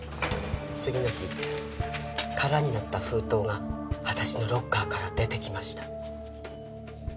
次の日空になった封筒が私のロッカーから出てきました。